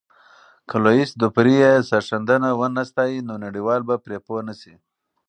که لويس دوپري یې سرښندنه ونه ستایي، نو نړیوال به پرې پوه نه سي.